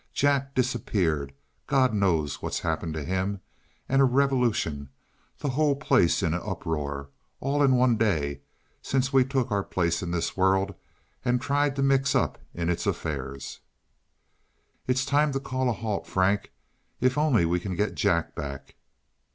Jack disappeared God knows what's happened to him. A revolution the whole place in an uproar. All in one day, since we took our place in this world and tried to mix up in its affairs. "It's time to call a halt, Frank. If only we can get Jack back.